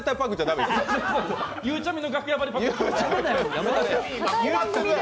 ゆうちゃみ